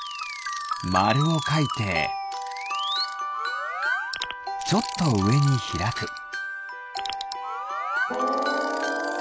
まるをかいてちょっとうえにひらく。